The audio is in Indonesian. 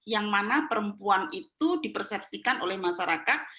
yang mana perempuan itu di persepsikan oleh masyarakat